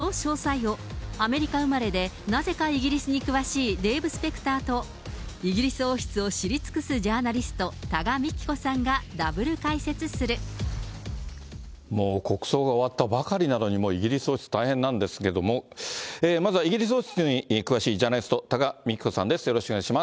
その詳細を、アメリカうまれでなぜかイギリスに詳しいデーブ・スペクターとイギリス王室を知り尽くすジャーナリスト、多賀幹子さんがダブル解もう国葬が終わったばかりなのに、イギリス王室大変なんですけれども、まずはイギリス王室に詳しいジャーナリスト、多賀幹子さんです。